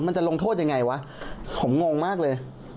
มันจะลงโทษยังไงวะผมงงมากเลย